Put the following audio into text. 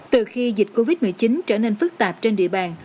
từ khi dịch covid một mươi chín trở nên phức tạp trên địa bàn